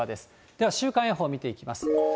では、週間予報見ていきます。